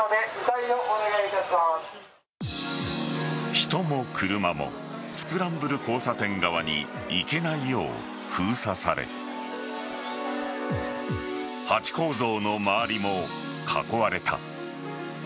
人も車もスクランブル交差点側にいけないよう封鎖されハチ公像の周りも囲われた。